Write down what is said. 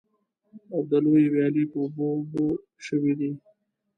او د لویې ويالې په اوبو اوبه شوي دي.